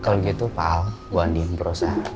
kalau gitu pak al bu an diimprosa